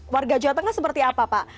warga jawa tengah seperti apa pak